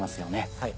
はい。